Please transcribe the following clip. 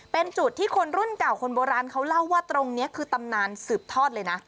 เป็นจุดที่คนรุ่นเก่าคนโบราณเขาเล่าว่าตรงนี้คือตำนานสืบทอดเลยนะ